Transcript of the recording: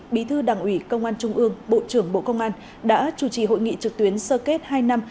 bí thư đảng ủy công an trung ương bộ trưởng bộ công an đã chủ trì hội nghị trực tuyến sơ kết hai năm